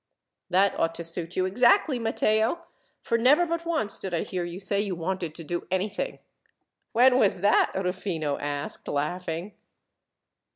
"That ought to suit you exactly, Matteo, for never but once did I hear you say you wanted to do anything." "When was that?" Rufino asked, laughing.